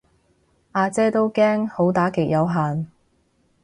呀姐都驚好打極有限